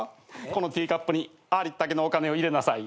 このティーカップにありったけのお金を入れなさい。